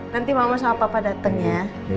nanti mama sama papa dateng ya